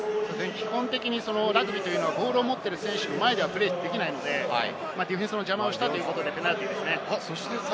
基本的にラグビーというのはボールを持っている選手の前でプレーできないので、ディフェンスの邪魔をしたということでペナルティーですね。